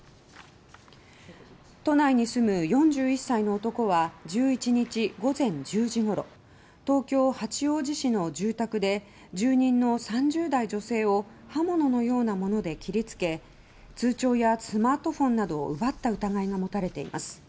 都内に住む４１歳の男は１１日午前１０時ごろ東京・八王子市の住宅で住人の３０代女性を刃物のようなもので切り付け通帳やスマートフォンなどを奪った疑いが持たれています。